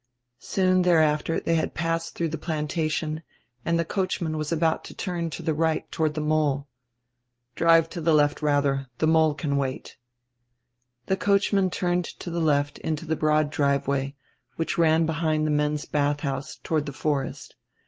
Soon diereafter tiiey had passed dirough die "Planta tion" and die coachman was about to turn to die right toward die mole. "Drive to die left, radier. The mole can wait." The coachman turned to the left into the broad driveway, which ran behind the men's bathhouse toward die forest.